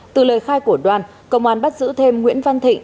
từ lời khai của đoan công an bắt giữ thêm nguyễn văn thịnh